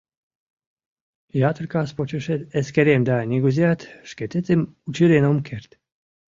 Ятыр кас почешет эскерем да нигузеат шкететым учырен ом керт.